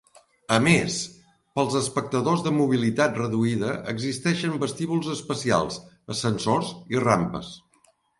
A més, per als espectadors de mobilitat reduïda existeixen vestíbuls especials, ascensors i rampes.